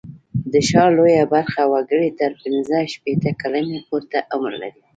د ښار لویه برخه وګړي تر پینځه شپېته کلنۍ پورته عمر لري.